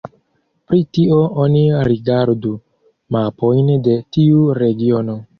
Pri tio oni rigardu mapojn de tiu regiono.